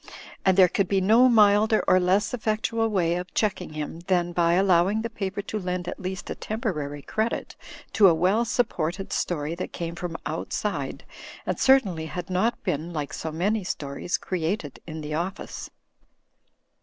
And there could be no milder or less ef fectual way of checking him than by allowing the paper to lend at least a temporary credit to a well supported story that came from outside, and certainly had not been (like so many stories) created in the office.